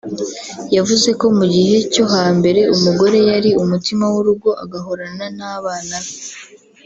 yavuze ko mu gihe cyo ha mbere umugore yari umutima w’urugo agahorana n’abana be